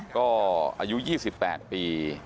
ก็อายุ๒๘ปี